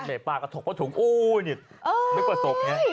เหม็นป้าก็ถกพะถุงอู๊ยนี่ไม่กว่าศพเนี่ย